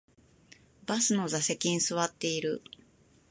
バスの座席に座っている